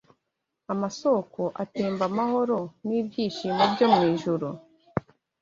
Amasōko atemba amahoro n’ibyishimo byo mu ijuru